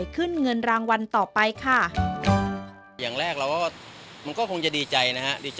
ควรไม่พอกใคร